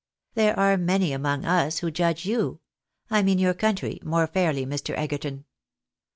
There are many among us who judge you — I mean your country— more fairly, Mr. Egerton.